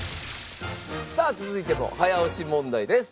さあ続いても早押し問題です。